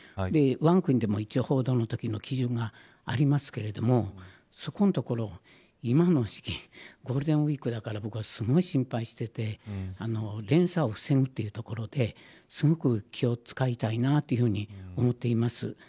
わが国でも報道のときの基準がありますけれどもそこのところ今の時期ゴールデンウイークだから僕はすごい心配していて連鎖を防ぐというところですごく気を使いたいなと思っています。